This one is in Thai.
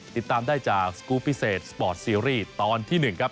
ติดตามได้จากสกูลพิเศษสปอร์ตซีรีส์ตอนที่๑ครับ